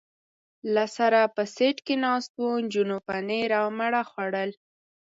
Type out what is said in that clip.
له سره په سېټ کې ناست و، نجونو پنیر او مڼه خوړل.